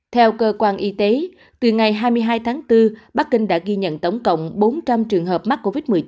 theo cơ quan y tế từ ngày hai mươi hai tháng bốn bắc kinh đã ghi nhận tổng cộng bốn trăm linh trường hợp mắc covid một mươi chín